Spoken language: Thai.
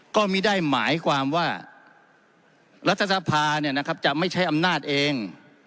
ก็ไม่ได้หมายความว่ารัฐสภาจะไม่ใช้อำนาจเอง